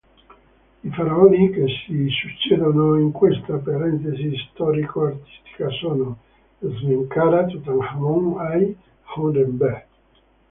I faraoni che si succedono in questa parentesi storico-artistica sono: Smenkhara, Tutankhamon, Ay, Horemheb.